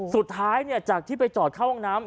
สุดท้ายจากที่ไปจอดเข้าห้องน้ำ